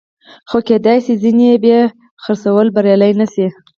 خو کېدای شي ځینې یې په پلورلو بریالي نشي